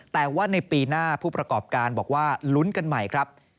แต่ว่าในปีหน้าผู้ประกอบการบอกว่าลุ้นกันใหม่ครับ